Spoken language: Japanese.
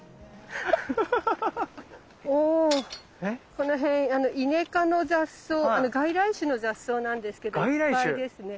この辺イネ科の雑草外来種の雑草なんですけどいっぱいですね。